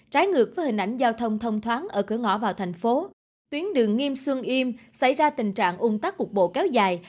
trái ngược với hình ảnh giao thông thông thoáng ở cửa ngõ vào thành phố tuyến đường nghiêm xuân yêm xảy ra tình trạng ung tắc cục bộ kéo dài